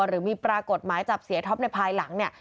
หรือมีปรากฏหมายจับเสียท็อปในภายหลังเนี่ย